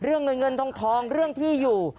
เรื่องเงินเงินทองเรื่องที่อยู่